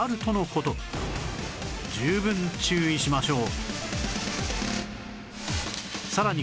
十分注意しましょう